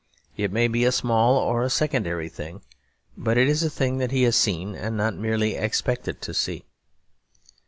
It may be a small or secondary thing, but it is a thing that he has seen and not merely expected to see.